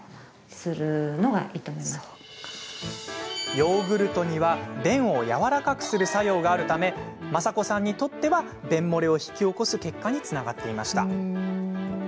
ヨーグルトには便を軟らかくする作用があるためまさこさんにとっては便もれを引き起こす結果につながっていました。